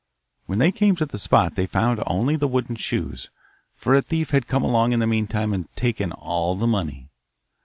When they came to the spot they found only the wooden shoes, for a thief had come along in the meantime and taken all the money.